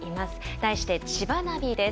題して「ちばナビ」です。